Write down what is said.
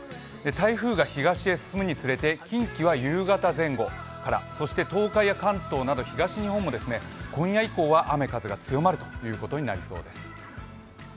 台風が東へ進むにつれて近畿は夕方ごろから、東海や関東など東日本も今夜以降は雨風が強まるということになりそうです。